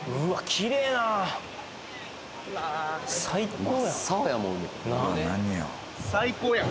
きれいな最高やん